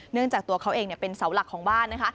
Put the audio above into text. เนื่องจากตัวเขาเองเป็นเสาหลักของบ้าน